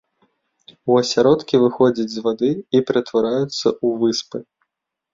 У асяродкі выходзяць з вады і ператвараюцца ў выспы.